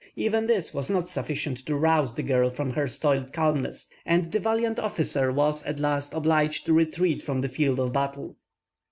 Even this was not sufficient to rouse the girl from her stolid calmness, and the valiant officer was, at last, obliged to retreat from the field of battle.